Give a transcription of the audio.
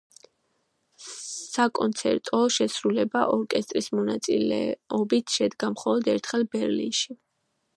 საკონცერტო შესრულება ორკესტრის მონაწილეობით შედგა მხოლოდ ერთხელ, ბერლინში.